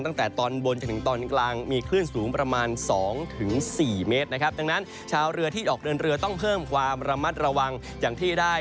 ตั้งแต่ตอนบนจนถึงตอนกลางมีคลื่นสูงประมาณสองถึงสี่เมตรนะครับดังนั้นชาวเรือที่ออกเดินเรือต้องเพิ่มความระมัดระวังอย่างที่ได้